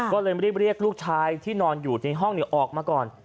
ก็เลยรีบเรียกลูกชายที่นอนอยู่ในห้องออกมาก่อน